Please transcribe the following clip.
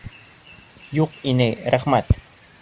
Юҡ, инәй, рәхмәт.